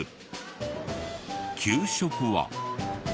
給食は。